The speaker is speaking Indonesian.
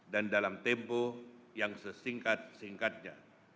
dalam tempo yang sesingkat singkatnya